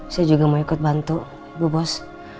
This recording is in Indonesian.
saya juga mau ikut bantu bu bos